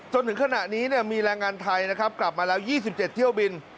จนถึงขณะนี้มีแรงงานไทยนะครับกลับมาแล้ว๒๗เที่ยวบิน